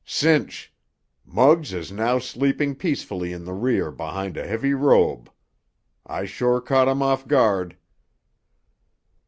"Cinch! Muggs is now sleeping peacefully in the rear beneath a heavy robe. I sure caught him off guard."